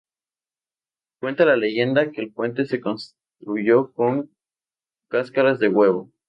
Cuenta la leyenda que el puente se construyó con cáscaras de huevo.